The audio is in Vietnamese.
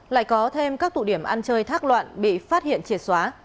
lại có thêm các tụ điểm ăn chơi thác loạn bị phát hiện triệt xóa